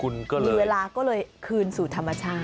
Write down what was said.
ก็เลยเวลาก็เลยคืนสู่ธรรมชาติ